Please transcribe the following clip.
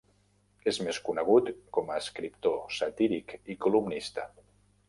És més conegut com a escriptor satíric i columnista.